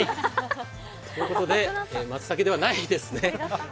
ということで、まつたけではないですね。